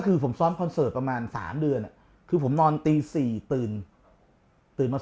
คือผมซ้อมคอนเสิร์ตประมาณ๓เดือนคือผมนอนตี๔ตื่นตื่นมา